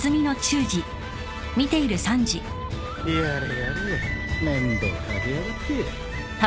やれやれ面倒かけやがって。